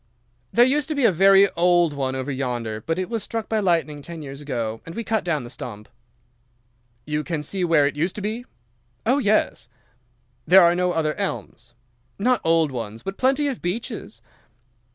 "'There used to be a very old one over yonder but it was struck by lightning ten years ago, and we cut down the stump.' "'You can see where it used to be?' "'Oh, yes.' "'There are no other elms?' "'No old ones, but plenty of beeches.